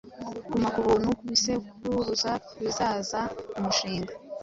guma kubuntu kubisekuruza bizaza Mumushinga